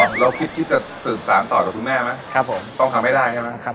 เราคิดที่จะสืบสารต่อกับคุณแม่ไหมครับผมต้องทำให้ได้ใช่ไหมครับ